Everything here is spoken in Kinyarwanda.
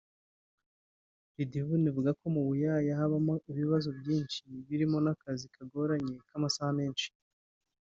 Lydivine avuga ko mu buyaya habamo ibibazo byinshi birimo akazi kagoranye k’amasaha menshi